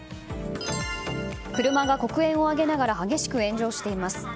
車が黒煙を上げながら激しく炎上しています。